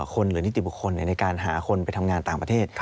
คนหรือนิติบุคคลในการหาคนไปทำงานต่างประเทศ